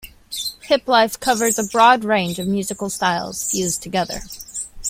Hiplife covers a broad range of musical styles fused together.